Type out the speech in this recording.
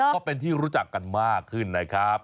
ก็เป็นที่รู้จักกันมากขึ้นนะครับ